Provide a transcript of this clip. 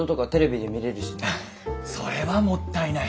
あっそれはもったいない。